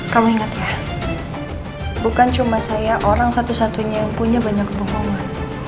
kamu ingat ya bukan cuma saya orang satu satunya yang punya banyak kebohongan